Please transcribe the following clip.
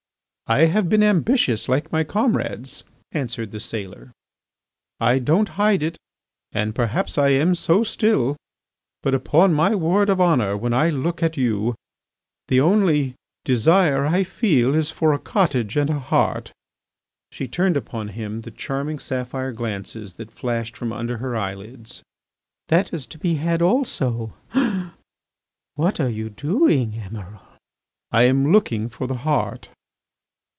"I have been ambitious like my comrades," answered the sailor, "I don't hide it, and perhaps I am so still; but upon my word of honour, when I look at you, the only, desire I feel is for a cottage and a heart." She turned upon him the charming sapphire glances that flashed from under her eyelids. "That is to be had also ... what are you doing, Emiral?" "I am looking for the heart."